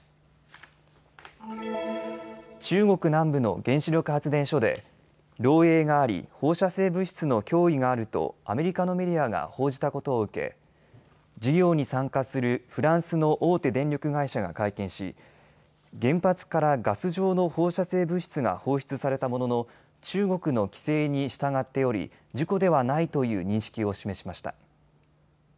中国南部の原子力発電所で漏えいがあり放射性物質の脅威があるとアメリカのメディアが報じたことを受け事業に参加するフランスの大手電力会社が会見し、原発からガス状の放射性物質が放出されたものの中国の規制に従っており、事故ではないという認識を示しました。